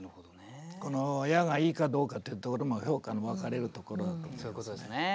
この「や」がいいかどうかっていうところも評価の分かれるところだと思いますね。